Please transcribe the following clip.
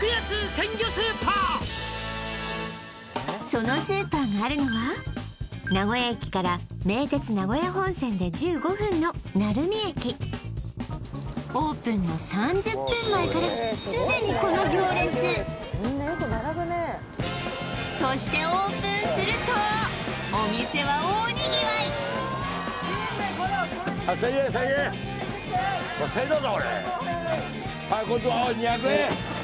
そのスーパーがあるのは名古屋駅から名鉄名古屋本線で１５分の鳴海駅オープンの３０分前からそしてオープンすると１０００円だぞこれ！